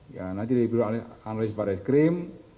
ya nanti di biro analis barres krim